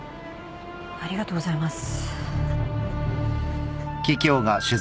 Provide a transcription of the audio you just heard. ありがとうございます。